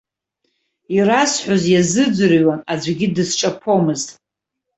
Ирасҳәоз иазыӡырҩуан, аӡәгьы дысҿаԥомызт.